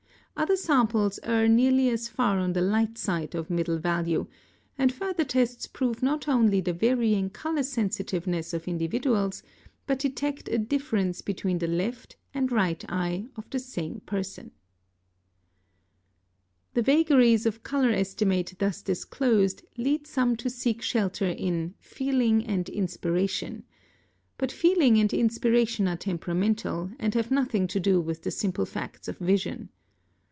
Other samples err nearly as far on the light side of middle value, and further tests prove not only the varying color sensitiveness of individuals, but detect a difference between the left and right eye of the same person. [Illustration: PHOTOMETER. Back View. Front View.] The vagaries of color estimate thus disclosed, lead some to seek shelter in "feeling and inspiration"; but feeling and inspiration are temperamental, and have nothing to do with the simple facts of vision.